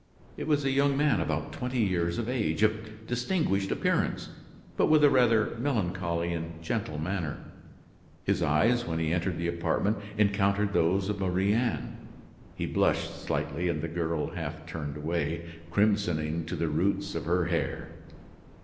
It was a young man about twenty years of age, of distinguished appearance, but with a rather melancholy and gentle manner. His eyes when he entered the apartment encountered those of Marie Anne; he blushed slightly, and the girl half turned away, crimsoning to the roots of her hair.